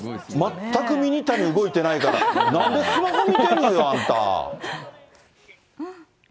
全くミニタニ動いてないから、なんでスマホ見てるのよ、あんた。